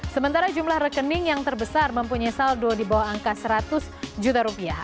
sementara jumlah rekening yang terbesar mempunyai saldo di bawah angka seratus juta rupiah